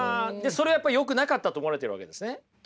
それはやっぱりよくなかったと思われてるわけですね。